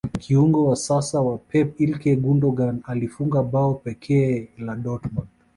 kiungo wa sasa wa pep ikaly gundagon alifunga bao pekee la dortmond